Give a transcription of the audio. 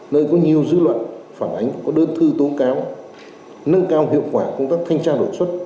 nơi có nhiều dư luận phản ánh có đơn thư tố cáo nâng cao hiệu quả công tác thanh tra đột xuất